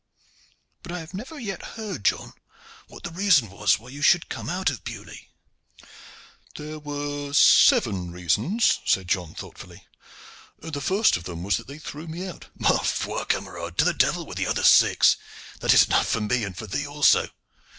But I have never yet heard, John, what the reason was why you should come out of Beaulieu." "There were seven reasons," said John thoughtfully. "The first of them was that they threw me out." "Ma foi! camarade, to the devil with the other six! That is enough for me and for thee also.